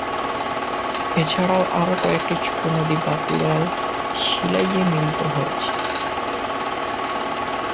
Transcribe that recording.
এছাড়াও আরও কয়েকটি ছোট নদী বাঁকুড়ায় শিলাই-এ মিলিত হয়েছে।